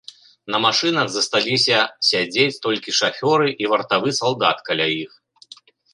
На машынах асталіся сядзець толькі шафёры і вартавы салдат каля іх.